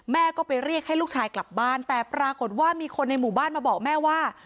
แม่ก็ไปเรียกให้ลูกชายกลับบ้านแต่ปรากฏว่ามีคนในหมู่บ้านมาบอกแม่ว่า